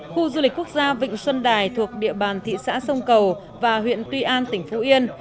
khu du lịch quốc gia vịnh xuân đài thuộc địa bàn thị xã sông cầu và huyện tuy an tỉnh phú yên